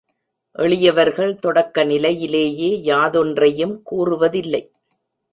எளியவர்கள் தொடக்க நிலையிலேயே யாதொன்றையும் கூறுவதில்லை.